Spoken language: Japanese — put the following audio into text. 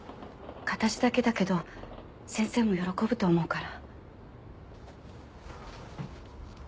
形だけだけど先生も喜ぶと思うから。